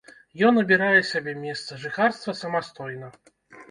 Ён абірае сябе месца жыхарства самастойна.